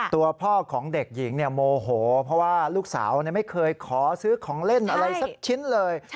ตัวพ่อของเด็กหญิงโมโหเพราะว่าลูกสาวไม่เคยขอซื้อของเล่นอะไรสักชิ้นเลย